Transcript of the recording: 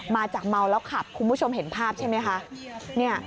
มาจากเมาแล้วขับคุณผู้ชมเห็นภาพใช่ไหมคะ